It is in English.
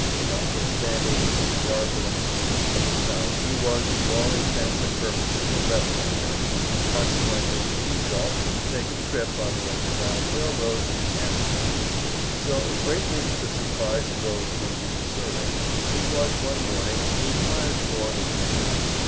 Notwithstanding the Patriarchal Institution of the South, he was to all intents and purposes a rebel at heart, consequently he resolved to take a trip on the Underground Rail Road to Canada. So, greatly to the surprise of those whom he was serving, he was one morning inquired for in vain.